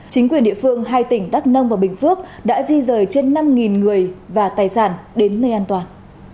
chính quyền địa phương hai tỉnh đắk nông và bình phước đã di rời trên năm người và tài sản đến nơi an toàn